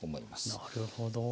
なるほど。